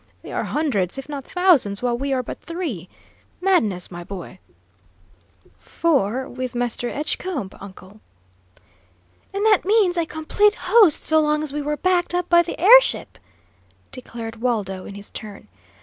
They are hundreds, if not thousands, while we are but three! Madness, my boy!" "Four, with Mr. Edgecombe, uncle." "And that means a complete host so long as we are backed up by the air ship," declared Waldo, in his turn.